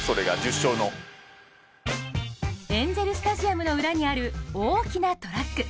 エンゼル・スタジアムの裏にある大きなトラック。